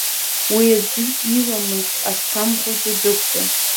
Уа азы илымаз асқам хәыҷы дықәтәан.